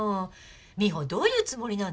美帆どういうつもりなの？